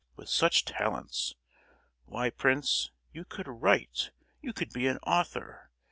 With such talents! Why, prince, you could write, you could be an author.